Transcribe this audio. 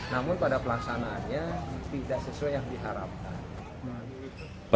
namun pada pelaksanaannya tidak sesuai yang diharapkan